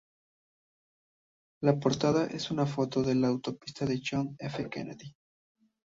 La portada es una foto de la autopsia de John F. Kennedy.